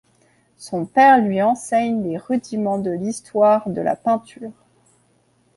Son père lui enseigne les rudiments de l'histoire de la peinture.